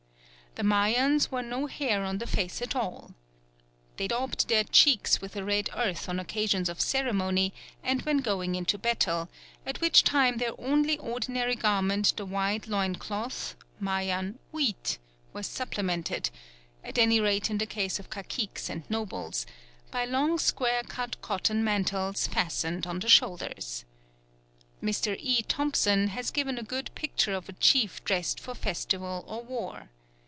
The Mayans wore no hair on the face at all. They daubed their cheeks with a red earth on occasions of ceremony and when going into battle; at which time their only ordinary garment the wide loin cloth (Mayan Uit) was supplemented, at any rate in the case of caciques and nobles, by long square cut cotton mantles fastened on the shoulders. Mr. E. Thompson has given a good picture of a chief dressed for festival or war.